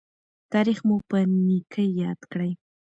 تاریخ مو په نیکۍ یاد کړي.